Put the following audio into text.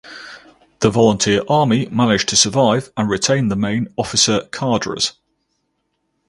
The Volunteer Army managed to survive and retain the main officer cadres.